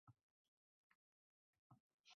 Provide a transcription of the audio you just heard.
matbuot xizmati